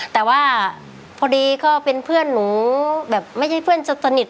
แต่ว่าพอดีก็เป็นเพื่อนหนูแบบไม่ใช่เพื่อนจะสนิท